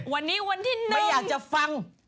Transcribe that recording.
วันนี้วันที่๑ไม่อยากจะฟัง